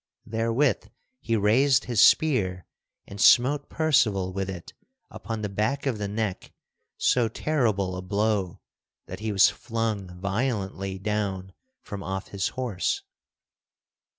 Therewith he raised his spear and smote Percival with it upon the back of the neck so terrible a blow that he was flung violently down from off his horse.